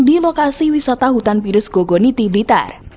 di lokasi wisata hutan virus gogoniti blitar